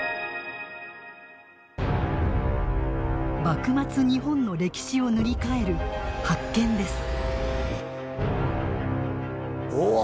幕末日本の歴史を塗り替える発見です。